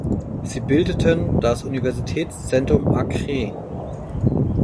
Sie bildeten das Universitätszentrum Acre.